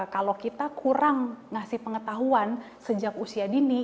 kalau kita kurang ngasih pengetahuan sejak usia dini